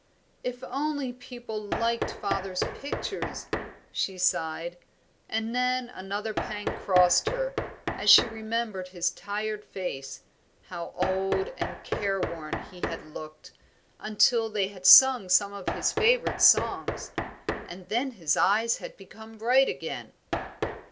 "If only people liked Father's pictures!" she sighed, and then another pang crossed her, as she remembered his tired face, how old and careworn he had looked, until they had sung some of his favourite songs, and then his eyes had become bright again.